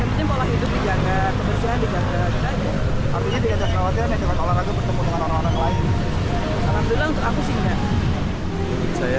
mending pola hidup jaga kebersihan jaga kita aja